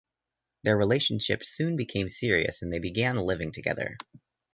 Their relationship soon became serious and they began living together.